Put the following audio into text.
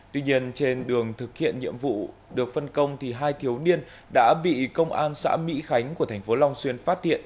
tuy nhiên trên đường thực hiện nhiệm vụ được phân công hai thiếu niên đã bị công an xã mỹ khánh của thành phố long xuyên phát hiện